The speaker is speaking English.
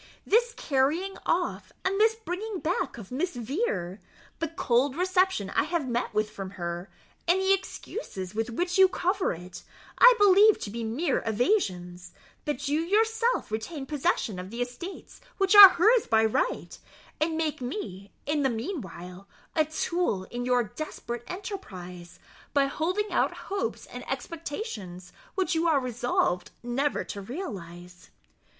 This carrying off and this bringing back of Miss Vere, the cold reception I have met with from her, and the excuses with which you cover it, I believe to be mere evasions, that you may yourself retain possession of the estates which are hers by right, and make me, in the meanwhile, a tool in your desperate enterprise, by holding out hopes and expectations which you are resolved never to realize."